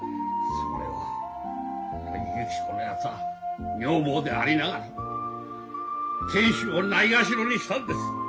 それをゆき子のやつは女房でありながら亭主をないがしろにしたんです。